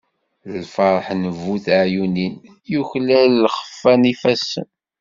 Lferḥ n bu teɛyunin, yuklal lxeffa n yifassen.